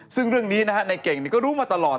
ซึ่งเรื่องนี้ในเก่งก็รู้มาตลอด